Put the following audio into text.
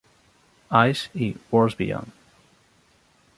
Eyes" i "Worlds Beyond".